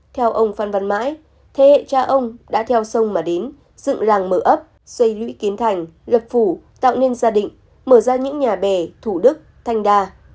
theo ông phan văn mãi thế hệ cha ông đã theo sông mà đến dựng làng mở ấp xây lũy kiến thành lập phủ tạo nên gia đình mở ra những nhà bè thủ đức thanh đa